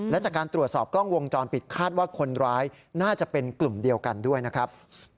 และจากการตรวจสอบกล้องวงจรปิดคาดว่าคนร้ายน่าจะเป็นกลุ่มเดียวกันด้วยนะครับ